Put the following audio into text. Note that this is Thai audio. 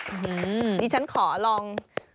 อื้อฮือดีฉันขอลอง